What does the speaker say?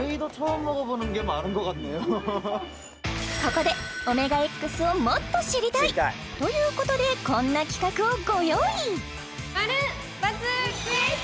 ここでＯＭＥＧＡＸをもっと知りたい！！ということでこんな企画をご用意！